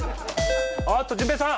ああっと淳平さん！